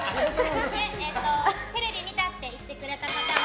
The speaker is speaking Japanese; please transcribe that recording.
テレビ見たって言ってくれた方は。